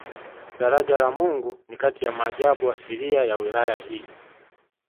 Daraja la Mungu ni kati ya maajabu asilia ya wilaya hii